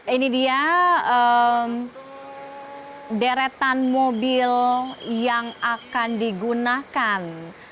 ini dia deretan mobil yang akan digunakan